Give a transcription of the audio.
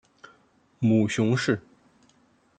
母熊氏。